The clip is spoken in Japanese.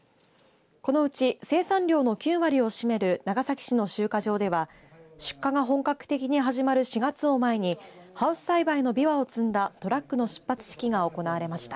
このうち生産量の９割を占める長崎市の集荷場では出荷が本格的に始まる４月を前にハウス栽培のびわを積んだトラックの出発式が行われました。